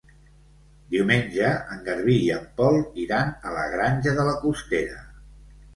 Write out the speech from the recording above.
Diumenge en Garbí i en Pol iran a la Granja de la Costera.